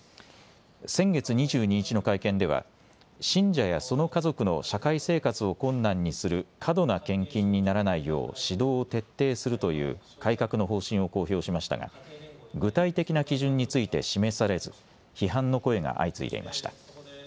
先月２２日の会見では信者やその家族の社会生活を困難にする過度な献金にならないよう指導を徹底するという改革の方針を公表しましたが具体的な基準について示されず批判の声が相次いでいました。